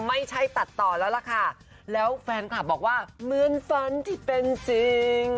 ไม่ใช่ตัดต่อแล้วล่ะค่ะแล้วแฟนคลับบอกว่าเหมือนฝันที่เป็นจริง